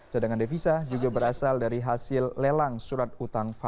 cadangan devisa juga berasal dari hasil lelang surat utang